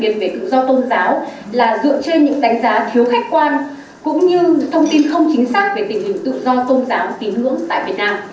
điều này được quy định về tự do tôn giáo là dựa trên những đánh giá thiếu khách quan cũng như thông tin không chính xác về tình hình tự do tôn giáo tín ngưỡng tại việt nam